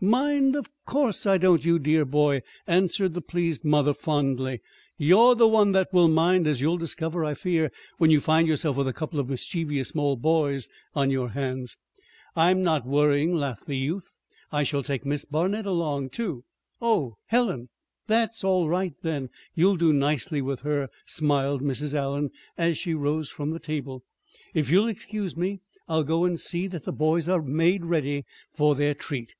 "Mind? Of course I don't, you dear boy," answered the pleased mother, fondly. "You're the one that will mind as you'll discover, I fear, when you find yourself with a couple of mischievous small boys on your hands!" "I'm not worrying," laughed the youth. "I shall take Miss Barnet along, too." "Oh Helen? That's all right, then. You'll do nicely with her," smiled Mrs. Allen, as she rose from the table. "If you'll excuse me, I'll go and see that the boys are made ready for their treat."